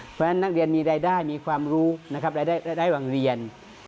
เพราะฉะนั้นนักเรียนมีรายได้มีความรู้นะครับรายได้หวังเรียน